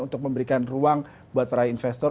untuk memberikan ruang buat para investor